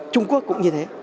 trung quốc cũng như thế